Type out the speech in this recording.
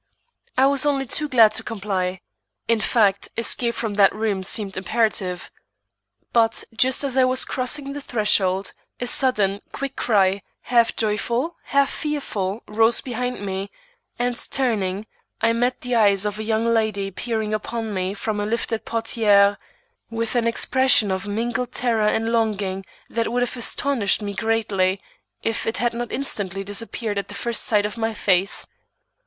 I was only too glad to comply; in fact, escape from that room seemed imperative. But just as I was crossing the threshold, a sudden, quick cry, half joyful, half fearful, rose behind me, and turning, I met the eyes of a young lady peering upon me from a lifted portière, with an expression of mingled terror and longing that would have astonished me greatly, if it had not instantly disappeared at the first sight of my face.